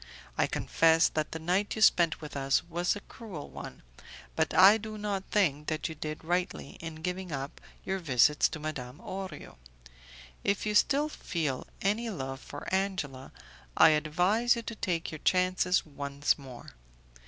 I confess that the night you spent with us was a cruel one, but I do not think that you did rightly in giving up your visits to Madame Orio. If you still feel any love for Angela, I advise you to take your chances once more.